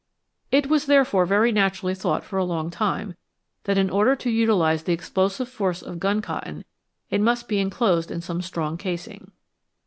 It was therefore very naturally thought for a long time that in order to utilise the explosive force of gun cotton it must be enclosed in some strong casing.